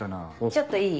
ちょっといい？